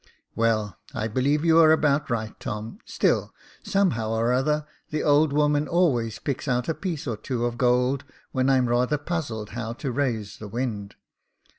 " Well, I believe you are about right, Tom ; still, some how or other, the old woman always picks out a piece or two of gold when I'm rather puzzled how to raise the wind.